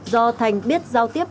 do thành biết giao tiếp